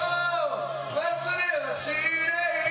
「忘れはしない」